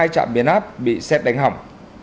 hai trạm biến áp bị xét đánh hỏng